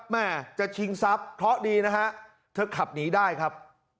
แม่จะชิงทรัพย์เคราะห์ดีนะฮะเธอขับหนีได้ครับ